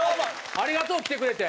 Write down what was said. ありがとう来てくれて。